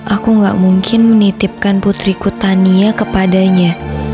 aku gak mungkin menitipkan putriku tania kepadanya